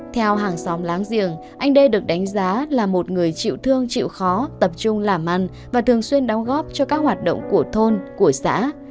theo hàng xóm láng giềng anh đê được đánh giá là một người chịu thương chịu khó tập trung làm ăn và thường xuyên đóng góp cho các hoạt động của thôn của xã